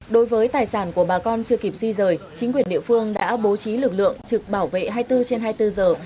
đối với tài sản của bà con chưa kịp di rời chính quyền địa phương đã bố trí lực lượng trực bảo vệ hai mươi bốn trên hai mươi bốn giờ